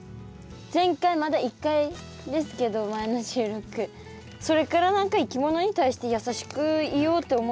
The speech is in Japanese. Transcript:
前回まだ１回ですけど前の収録それから何かいきものに対して優しくいようって思うようになりました。